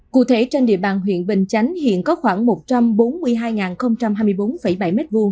cụ thể trên địa bàn huyện bình chánh hiện có khoảng một trăm bốn mươi hai hai mươi bốn bảy m hai